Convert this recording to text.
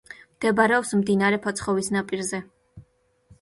მდებარეობს მდინარე ფოცხოვის ნაპირზე.